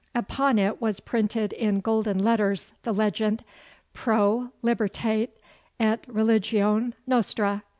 Upon it was printed in golden letters the legend, 'Pro libertate et religione nostra.